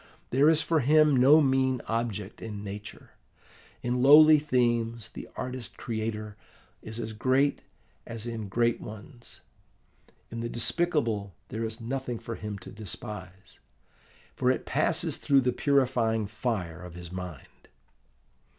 There is for him no mean object in nature. In lowly themes the artist creator is as great as in great ones: in the despicable there is nothing for him to despise, for it passes through the purifying fire of his mind.